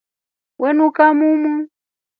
We nuka momu.